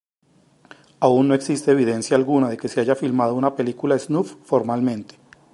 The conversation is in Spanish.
Aún no existe evidencia alguna de que se haya filmado una película snuff formalmente.